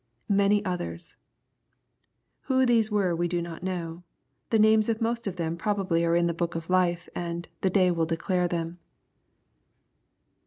\Many others,] Who these were we do not know. The names of most of them probably are in the book of life, and " the day will declare" them.